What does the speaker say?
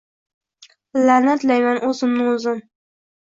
Lanatlayman oʻzimni oʻzim.